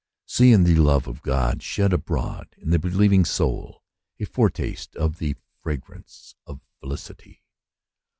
See, in the love of God shed abroad in the believing soul, a foretaste of the fragrance of felicity.